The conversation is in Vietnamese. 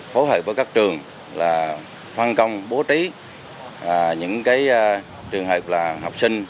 phối hợp với các trường là phân công bố trí những trường hợp là học sinh